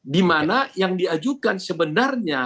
dimana yang diajukan sebenarnya